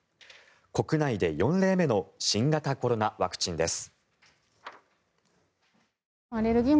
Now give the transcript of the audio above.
国内で４例目の新型コロナワクチンです。